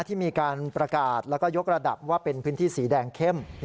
ที่มีการประกาศแล้วก็ยกระดับว่าเป็นพื้นที่สีแดงเข้ม